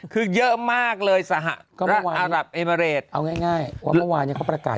คือเยอะมากเลยสหรัฐอารับเอเมอเรดเอาง่ายว่าเมื่อวานเขาประกาศ